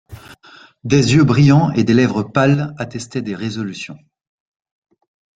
Des yeux brillants et des lèvres pâles attestaient des résolutions.